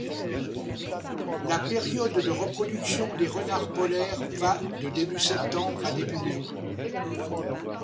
La période de reproduction des renards polaires va de début septembre à début mai.